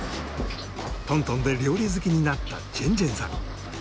東東で料理好きになったジェンジェンさん。